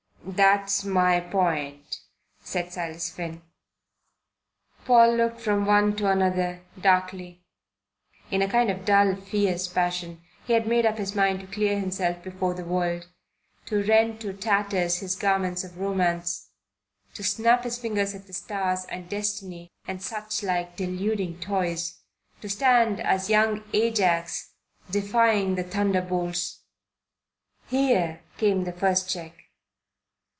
"That's my point," said Silas Finn. Paul looked from one to the other, darkly. In a kind of dull fierce passion he had made up his mind to clear himself before the world, to rend to tatters his garments of romance, to snap his fingers at the stars and destiny and such like deluding toys, to stand a young Ajax defying the thunderbolts. Here came the first check.